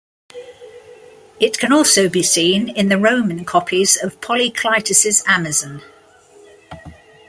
It can also be seen in the Roman copies of Polyclitus' amazon.